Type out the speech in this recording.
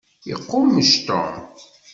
Iqummec Tom.